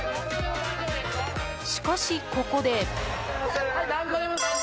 しかし、ここで。